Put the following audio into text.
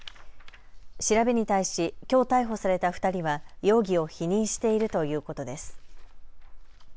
調べに対しきょう逮捕された２人は容疑を否認しているということです。